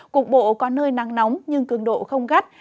cục bộ có nơi nắng nóng nhưng cường độ không gắt